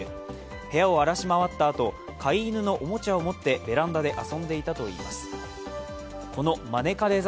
部屋を荒らし回ったあと、飼い犬のおもちゃを持ってベランダで遊んでいたということです。